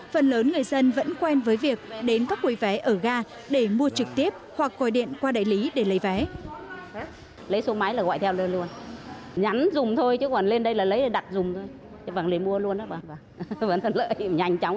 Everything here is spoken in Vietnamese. phần lớn người dân vẫn quen với việc đến các quầy vé ở ga để mua trực tiếp hoặc gọi điện qua đại lý để lấy vé